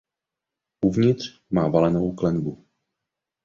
Uvnitř má valenou klenbu.